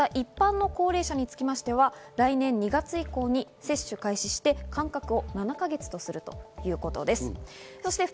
また、一般の高齢者につきましては、来年２月以降に接種開始して間隔を７か月とするということです。